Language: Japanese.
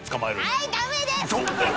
はいダメです！